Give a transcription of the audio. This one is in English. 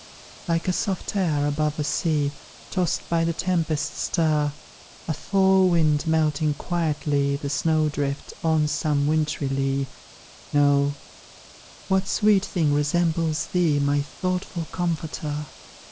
Like a soft, air above a sea, Tossed by the tempest's stir; A thaw wind, melting quietly The snow drift on some wintry lea; No: what sweet thing resembles thee, My thoughtful Comforter?